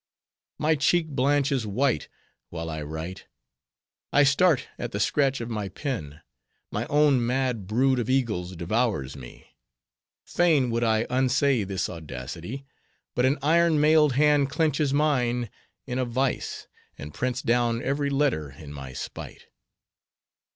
My cheek blanches white while I write; I start at the scratch of my pen; my own mad brood of eagles devours me; fain would I unsay this audacity; but an iron mailed hand clenches mine in a vice, and prints down every letter in my spite.